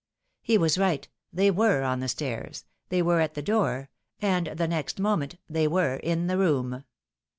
He was right. They were on the stairs, they were at the door — and the next moment they were in the room.